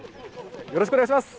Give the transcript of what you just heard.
よろしくお願いします。